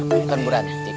bukan bu ranti